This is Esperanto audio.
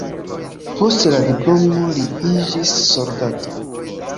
Post la diplomo li iĝis soldato.